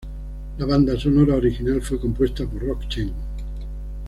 La banda sonora original fue compuesta por Roc Chen.